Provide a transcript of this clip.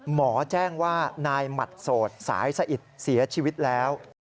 หมอแจ้งว่านายหมัดโสดสายสะอิดเสียชีวิตแล้ว